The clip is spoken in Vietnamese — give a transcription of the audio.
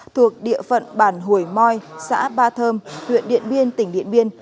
thuộc địa phận bản hủy moi xã ba thơm huyện điện biên tỉnh điện biên